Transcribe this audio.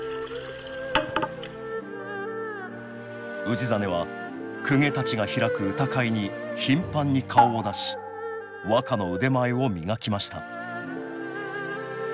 氏真は公家たちが開く歌会に頻繁に顔を出し和歌の腕前を磨きました